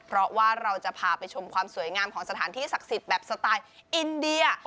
เพราะว่าเราจะพาไปชมความสวยงามของสถานที่ศักดิ์สิทธิ์แบบสไตล์อินเดีย